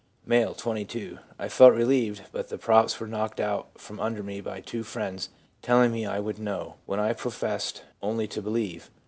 M., 22. ' I felt relieved, but the props were knocked out from under me by two friends telling me I would fcnozv y when I professed oaly to believe.